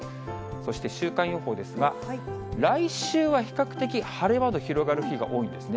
そして週間予報ですが、来週は比較的、晴れ間の広がる日が多いんですね。